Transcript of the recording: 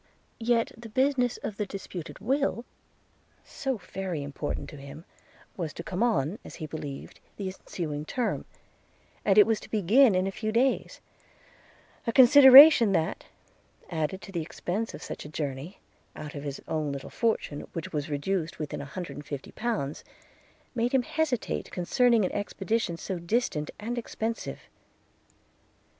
Yet the business of the disputed will, so very important to him, was to come on, as he believed, the ensuing Term, and it was to begin in a few days; a consideration that, added to the expence of such a journey, out of his little fortune, which was reduced within an hundred and fifty pounds, made him hesitate concerning an expedition so distant and expensive.